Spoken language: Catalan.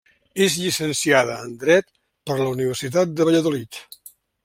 És llicenciada en dret per la Universitat de Valladolid.